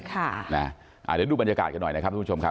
เดี๋ยวดูบรรยากาศกันหน่อยนะครับสุดชมที